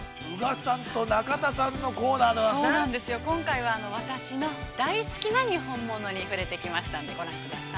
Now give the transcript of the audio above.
今回は、私の大好きなにほんものに触れてきましたんでご覧ください。